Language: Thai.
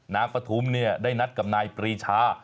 ปฐุมได้นัดกับนายปรีชา